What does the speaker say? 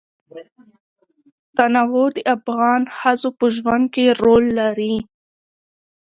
تنوع د افغان ښځو په ژوند کې رول لري.